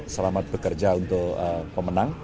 selamat bekerja untuk pemenang